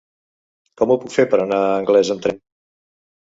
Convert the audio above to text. Com ho puc fer per anar a Anglès amb tren?